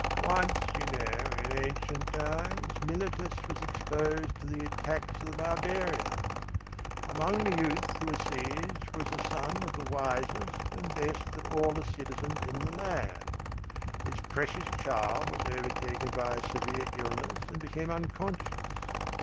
Once, you know, in ancient times, Miletus was exposed to the attacks of the barbarians. Among the youth who were seized was a son of the wisest and best of all the citizens in the land. His precious child was overtaken by a severe illness and became unconscious.